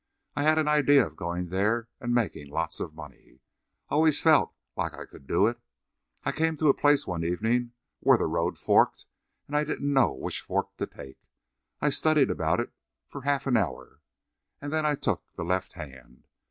I had an idea of goin' there and makin' lots of money. I always felt like I could do it. I came to a place one evenin' where the road forked and I didn't know which fork to take. I studied about it for half an hour, and then I took the left hand.